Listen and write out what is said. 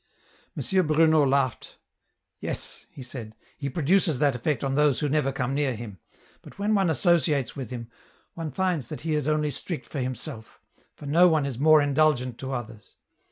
M. Bruno laughed. " Yes," he said, " he produces that effect on those who never come near him, but when one associates with him, one finds that he is only strict for him self, for no one is more indulgent to others.